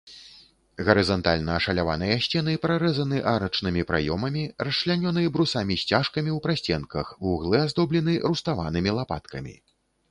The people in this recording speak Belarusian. Гарызантальна ашаляваныя сцены прарэзаны арачнымі праёмамі, расчлянёны брусамі-сцяжкамі ў прасценках, вуглы аздоблены руставанымі лапаткамі.